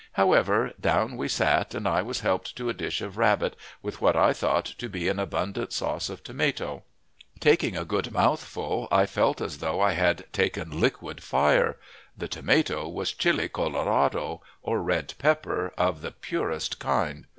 However, down we sat, and I was helped to a dish of rabbit, with what I thought to be an abundant sauce of tomato. Taking a good mouthful, I felt as though I had taken liquid fire; the tomato was chile colorado, or red pepper, of the purest kind.